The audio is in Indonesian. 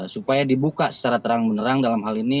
supaya dibuka secara terang benerang dalam hal ini